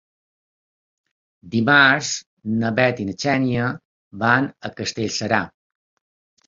Dimarts na Bet i na Xènia van a Castellserà.